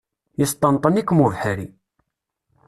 Yesṭenṭen-ikem ubeḥri.